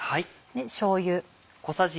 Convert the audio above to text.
しょうゆ。